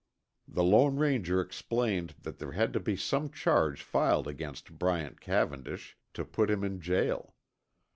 The Lone Ranger explained that there had to be some charge filed against Bryant Cavendish to put him in jail.